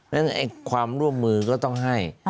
เพราะฉะนั้นความร่วมมือก็ต้องให้